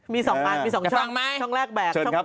มี๒อันมี๒ช่องไหมช่องแรกแบก